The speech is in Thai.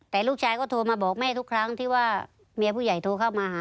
แต่ลูกชายก็โทรมาบอกแม่ทุกครั้งที่ว่าเมียผู้ใหญ่โทรเข้ามาหา